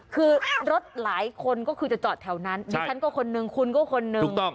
คือรถหลายคนก็คือจะจอดแถวนั้นดิฉันก็คนนึงคุณก็คนหนึ่ง